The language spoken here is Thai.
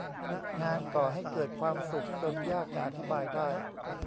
งานก่อให้เกิดความสุขจนยากจะอธิบายได้